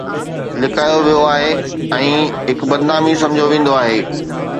لڪايو ويو آهي ۽ هڪ بدنامي سمجهيو ويندو آهي